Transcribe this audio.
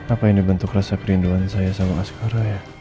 apa ini bentuk rasa kerinduan saya sama aspara ya